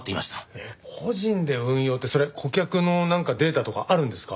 えっ個人で運用ってそれ顧客のなんかデータとかあるんですか？